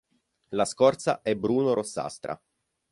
La scorza è bruno-rossastra.